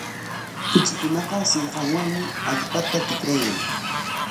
Kuchikunaqa sinqanwanmi allpata tikrayan.